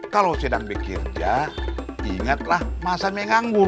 kalau sedang bekerja ingatlah masa menganggur